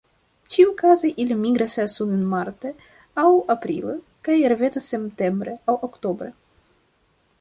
Ĉiukaze ili migras suden marte aŭ aprile kaj revenas septembre aŭ oktobre.